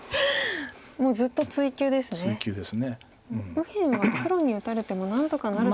右辺は黒に打たれても何とかなると。